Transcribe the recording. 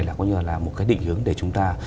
là một cái định hướng để chúng ta